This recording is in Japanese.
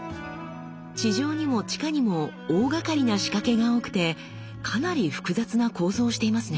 地上にも地下にも大がかりな仕掛けが多くてかなり複雑な構造をしていますね。